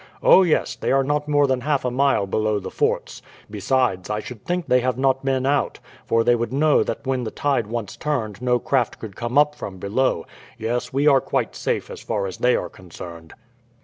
"Oh, yes; they are not more than half a mile below the forts. Besides, I should think they have not been out; for they would know that when the tide once turned no craft could come up from below. Yes, we are quite safe as far as they are concerned."